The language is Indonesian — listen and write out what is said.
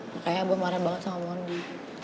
makanya gue marah banget sama mondi